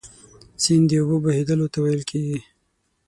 سیند د اوبو بهیدلو ته ویل کیږي.